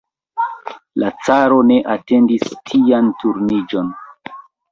La caro ne atendis tian turniĝon.